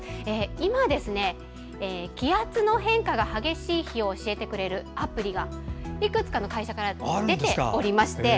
今、気圧の変化が激しい日を教えてくれるアプリがいくつかの会社から出ておりまして。